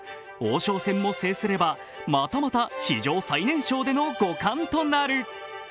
王将戦も制すれば、またまた史上最年少での五冠となる。